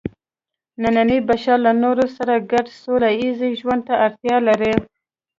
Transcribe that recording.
نننی بشر له نورو سره ګډ سوله ییز ژوند ته اړتیا لري.